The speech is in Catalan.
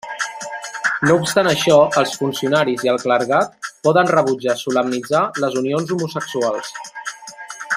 No obstant això, els funcionaris i el clergat poden rebutjar solemnitzar les unions homosexuals.